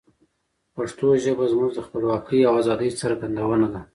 پښتو ژبه زموږ د خپلواکۍ او آزادی څرګندونه ده.